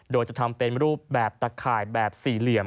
โดยจะทำเป็นรูปแบบตะข่ายแบบสี่เหลี่ยม